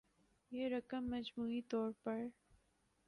یہ رقم مجموعی طور پر